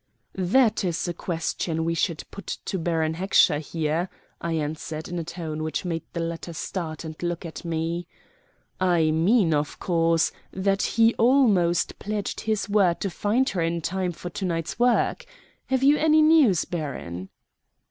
"That is a question we should put to Baron Heckscher here," I answered in a tone which made the latter start and look at me. "I mean, of course, that he almost pledged his word to find her in time for to night's work. Have you any news, baron?"